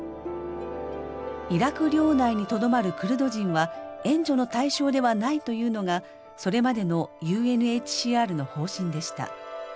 イラク領内にとどまるクルド人は援助の対象ではないというのがそれまでのＵＮＨＣＲの方針でした。